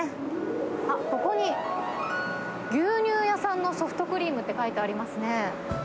あっ、ここに、牛乳屋さんのソフトクリームって書いてありますね。